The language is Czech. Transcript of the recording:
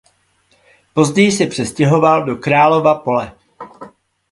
Později se přestěhoval do Králova Pole.